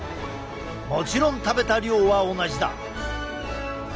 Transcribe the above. もちろん食べた量は同じだ！